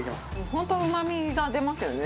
本当うまみが出ますよね